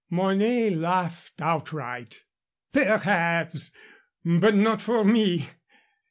Mornay laughed outright. "Perhaps, but not for me.